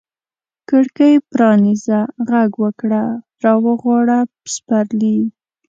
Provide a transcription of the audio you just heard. کړکۍ پرانیزه، ږغ وکړه را وغواړه سپرلي